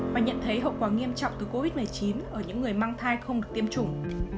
mà nhận thấy hậu quả nghiêm trọng từ covid một mươi chín ở những người mang thai không được tiêm chủng